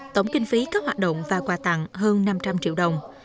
tổng kinh phí các hoạt động và quà tặng hơn năm trăm linh triệu đồng